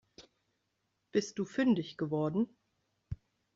Bist du fündig geworden?